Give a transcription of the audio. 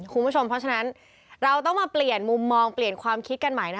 คุณผู้ชมเพราะฉะนั้นเราต้องมาเปลี่ยนมุมมองเปลี่ยนความคิดกันใหม่นะคะ